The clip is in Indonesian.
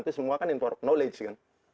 itu semua kan inform knowledge